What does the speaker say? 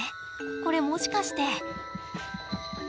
これもしかして？